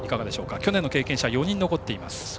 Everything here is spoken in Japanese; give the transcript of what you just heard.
去年の選手が４人残っています。